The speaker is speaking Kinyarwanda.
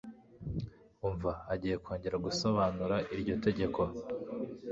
Umva! Agiye kongera gusobanura iryo tegeko.